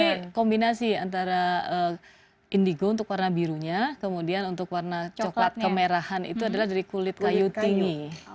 ini kombinasi antara indigo untuk warna birunya kemudian untuk warna coklat kemerahan itu adalah dari kulit kayu tinggi